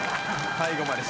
最後までね。